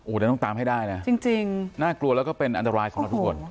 เดี๋ยวต้องตามให้ได้นะจริงน่ากลัวแล้วก็เป็นอันตรายของเราทุกคน